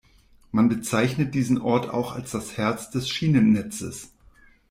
Man bezeichnet diesen Ort auch als das Herz des Schienennetzes.